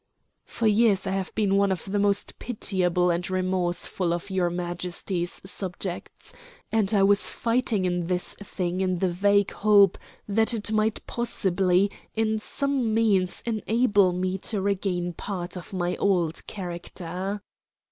"For years I have been one of the most pitiable and remorseful of your Majesty's subjects, and I was fighting in this thing in the vague hope that it might possibly in some means enable me to regain part of my old character."